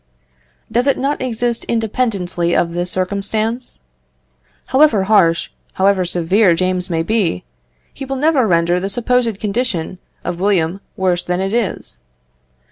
Does it not exist independently of this circumstance? However harsh, however severe James may be, he will never render the supposed condition of William worse than it is.